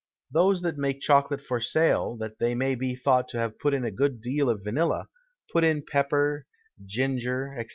Those that make Chocolate for Sale, that they may be thought to have put in a good deal of Vanilla, put in Pepper, Ginger, _&c.